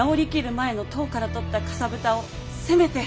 前の痘からとったかさぶたをせめて。